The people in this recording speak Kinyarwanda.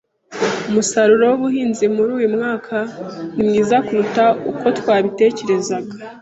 Umusaruro w'ubuhinzi muri uyu mwaka ni mwiza kuruta uko twabitekerezaga.